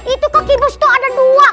itu kaki bos tuh ada dua